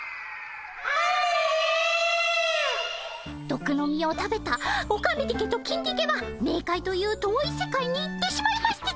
どくの実を食べたオカメディケとキンディケはメーカイという遠い世界に行ってしまいました